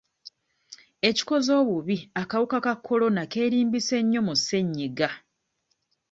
Ekikoze obubi akawuka ka Corona keerimbise nnyo mu ssenyiga.